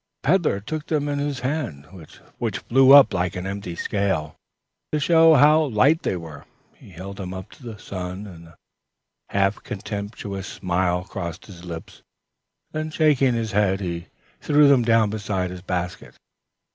The peddler took them in his hand, which flew up like an empty scale, to show how light they were; he held them up to the sun, and a half contemptuous smile crossed his lips; then shaking his head, he threw them down beside his basket.